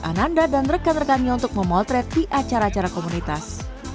ananda dan rekan rekannya untuk memotret di acara acara komunitas